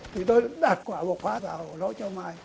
thì tôi đặt quả bột pha vào lỗ cho mai